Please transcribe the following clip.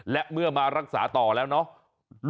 และเมื่อมารักษาต่อแล้วเนาะ